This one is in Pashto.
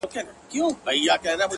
دې راوړي دې تر گور باڼه’